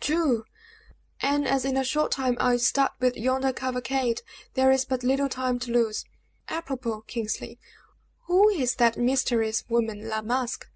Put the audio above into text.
"True! And as in a short time I start with yonder cavalcade, there is but little time to lose. Apropos, Kingsley, who is that mysterious woman, La Masque?"